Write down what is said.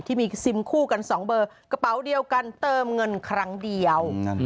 ที่มีซิมคู่กัน๒เบอร์กระเป๋าเดียวกันเติมเงินครั้งเดียว